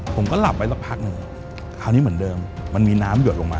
ผมก็หลับไปสักพักหนึ่งคราวนี้เหมือนเดิมมันมีน้ำหยดลงมา